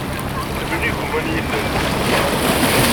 Ḥemmlen igumma n yilel.